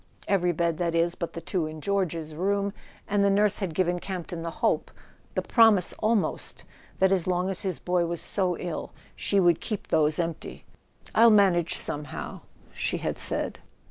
Every bed, that is, but the two in George's room; and the nurse had given Campton the hope, the promise al¬ most, that as long as his boy was so ill she would keep those empty. "I'll manage somehow," she had said.